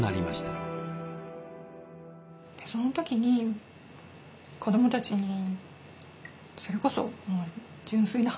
その時に子どもたちにそれこそもう純粋な反応ですよ。